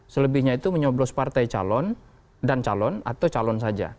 selebihnya itu menyoblos partai calon dan calon atau calon saja